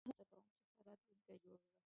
زه هڅه کوم، چي ښه راتلونکی جوړ کړم.